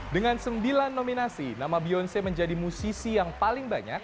dengan sembilan nominasi nama beyonse menjadi musisi yang paling banyak